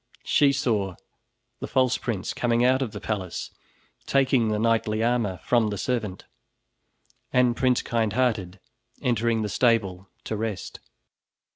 She saw the false prince coming out of the palace, taking the knightly armor from the servant, and Prince Kindhearted entering the stable to rest.